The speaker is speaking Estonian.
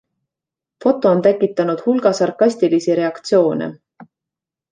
Foto on tekitanud hulga sarkastilisi reaktsioone.